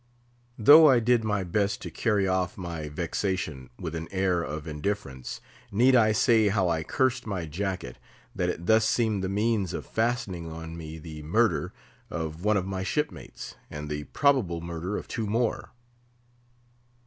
Though I did my best to carry off my vexation with an air of indifference, need I say how I cursed my jacket, that it thus seemed the means of fastening on me the murder of one of my shipmates, and the probable murder of two more.